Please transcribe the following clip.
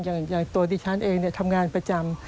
อย่างตัวดิฉันเองทำงานประจำ